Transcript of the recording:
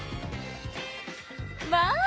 まあ！